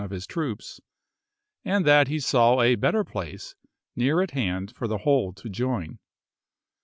m. of his troops, and that he saw a better place near v^rf §7" at hand for the whole to join.